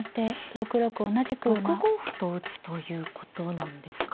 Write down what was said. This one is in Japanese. ６五歩と打つということなんですか。